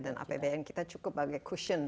dan apbn kita cukup bagai cushion